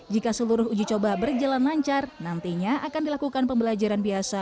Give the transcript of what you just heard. jika seluruh uji coba berjalan lancar nantinya akan dilakukan pembelajaran biasa